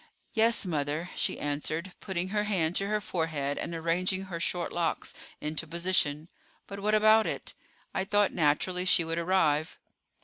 "Yes, mother," she answered, putting her hand to her forehead and arranging her short locks into position; "but what about it? I thought naturally she would arrive."